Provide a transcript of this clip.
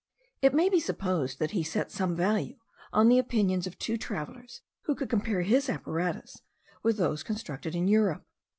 It may be supposed that he set some value on the opinions of two travellers who could compare his apparatus with those constructed in Europe.